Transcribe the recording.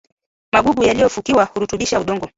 magugu yaliyofukiwa hurutubisha udongo